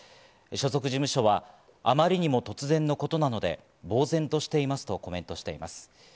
所属事務所は、余りにも突然のことなので、呆然としていますとコメントしています。